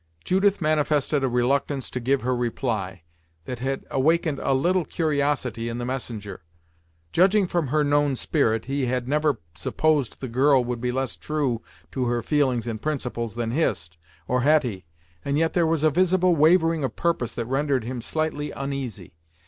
Judith manifested a reluctance to give her reply, that had awakened a little curiosity in the messenger. Judging from her known spirit, he had never supposed the girl would be less true to her feelings and principles than Hist, or Hetty, and yet there was a visible wavering of purpose that rendered him slightly uneasy.